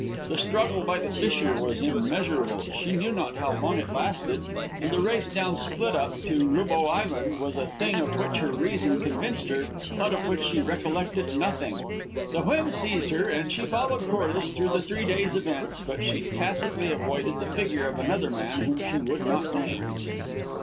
The struggle by the fissure was immeasurable; she knew not how long it lasted; and the race down Split up to Roubeau Island was a thing of which her reason convinced her, but of which she recollected nothing. The whim seized her, and she followed Corliss through the three days' events, but she tacitly avoided the figure of another man whom she would not name.